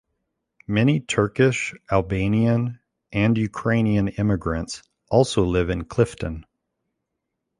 Many Turkish, Albanian, and Ukrainian immigrants also live in Clifton.